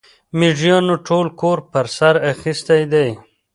مېږيانو ټول کور پر سر اخيستی دی.